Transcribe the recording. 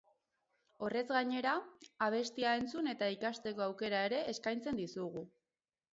Horrez gainera, abestia entzun eta ikasteko aukera ere eskaintzen dizugu.